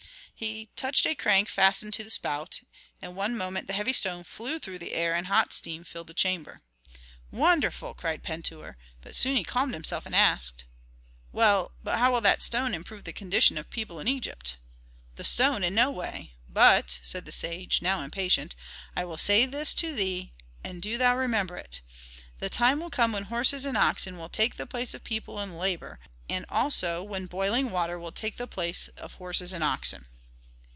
He touched a crank fastened to the spout; in one moment the heavy stone flew through the air and hot steam filled the chamber. "Wonderful!" cried Pentuer. But soon he calmed himself and asked, "Well, but how will that stone improve the condition of people in Egypt?" "The stone in no way. But," said the sage, now impatient, "I will say this to thee, and do thou remember it: the time will come when horses and oxen will take the place of people in labor, and also when boiling water will take the place of horses and oxen."